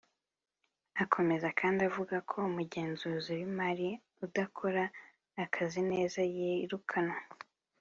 Akomeza kandi avuga ko umugenzuzi w’imari udakora akazi neza yirukanwa